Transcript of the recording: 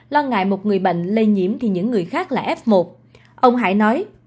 lo ngại một người bệnh lây nhiễm thì những người khác là f một ông hải nói